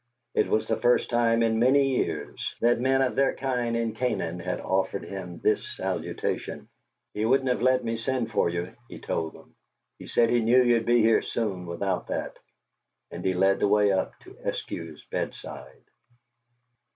It was the first time in many years that men of their kind in Canaan had offered him this salutation. "He wouldn't let me send for you," he told them. "He said he knew you'd be here soon without that." And he led the way to Eskew's bedside.